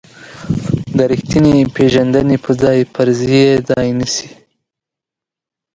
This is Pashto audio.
د ریښتینې پېژندنې په ځای فرضیې ځای نیسي.